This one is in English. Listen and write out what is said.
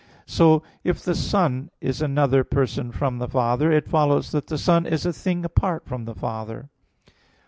So if the Son is another person from the Father, it follows that the Son is a thing apart from the Father.